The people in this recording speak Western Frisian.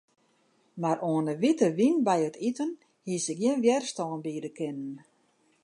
Mar oan 'e wite wyn by it iten hie se gjin wjerstân biede kinnen.